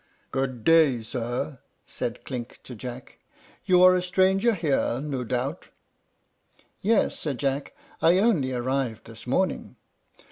"Good day, sir," said Clink to Jack. "You are a stranger here, no doubt?" "Yes," said Jack; "I only arrived this morning."